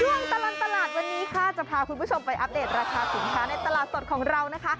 ตลอดตลาดวันนี้ค่ะจะพาคุณผู้ชมไปอัปเดตราคาสินค้าในตลาดสดของเรานะคะ